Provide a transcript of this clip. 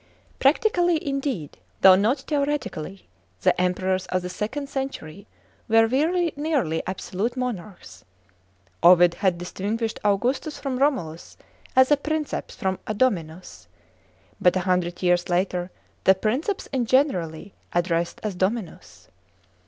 Practically, indeed, though not theoretically, the Emperors of the second century were very nearly absolute monarchs. Ovid had distinguished Augustus from Romulus as a princeps from a dominus ; but, a hundred years later, the Princeps is generally addressed as Dominus.